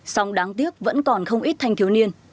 song đáng tiếc vẫn còn không ít thanh thiếu niên